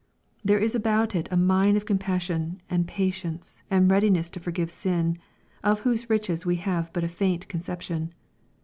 There is about it a mine of compassion, and patience, and readiness to forgive sin, of whose riches we have but a faint conception.